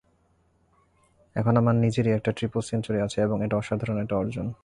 এখন আমার নিজেরই একটি ট্রিপল সেঞ্চুরি আছে এবং এটা অসাধারণ একটা অর্জন।